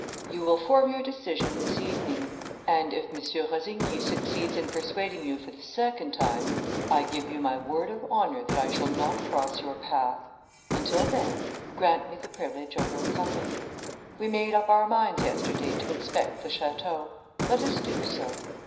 "You will form your decision this evening; and, if M. Rossigny succeeds in persuading you for the second time, I give you my word of honour that I shall not cross your path. Until then, grant me the privilege of your company. We made up our minds yesterday to inspect the château. Let us do so.